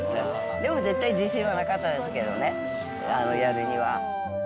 でも自信はなかったですけどね、やるには。